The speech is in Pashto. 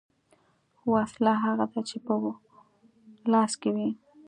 ـ وسله هغه ده چې په لاس کې وي .